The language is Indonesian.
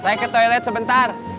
saya ke toilet sebentar